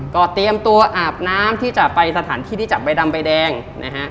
ก็เตรียมตัวอาบน้ำที่จะไปสถานที่ที่จับใบดำใบแดงนะฮะ